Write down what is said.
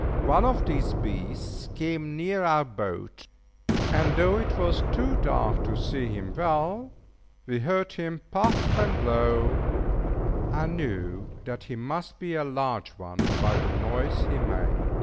One of these beasts came near our boat, and though it was too dark to see him well, we heard him puff and blow, and knew that he must be a large one by the noise he made.